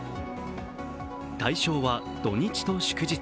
対象は土日と祝日。